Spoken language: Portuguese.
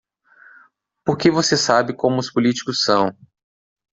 Porque você sabe como os políticos são.